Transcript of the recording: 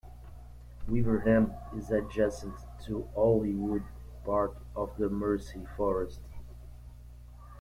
Weaverham is adjacent to Owley Wood, part of the Mersey Forest.